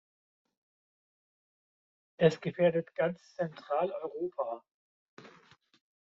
Es gefährdet ganz Zentraleuropa.